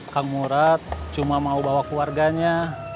kang murad cuma mau bawa keluarganya